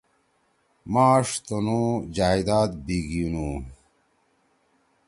ماݜ تُنوو جائداد بیگیِنُو۔